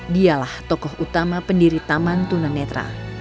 dialah tokoh utama pendiri taman tunan netral